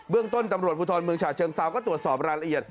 เบื้องต้นตำรวจพุทธรรมเมืองฉาเชิงซาวก็ตรวจสอบรายละเอียด